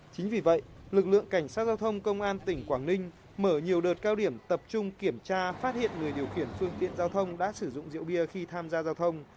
chính vì vậy lực lượng cảnh sát giao thông công an tỉnh quảng ninh mở nhiều đợt cao điểm tập trung kiểm tra phát hiện người điều khiển phương tiện giao thông đã sử dụng rượu bia khi tham gia giao thông